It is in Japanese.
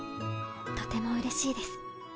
とてもうれしいです。